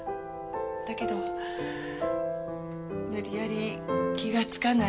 だけど無理やり気がつかないふりを。